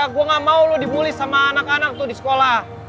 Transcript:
gue gak mau lo dibully sama anak anak tuh di sekolah